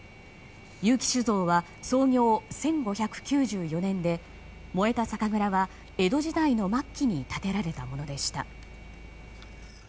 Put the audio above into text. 結城酒造は、創業１５９４年で燃えた酒蔵は江戸時代の末期に建てられたものでした。